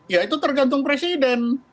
ya itu tergantung presiden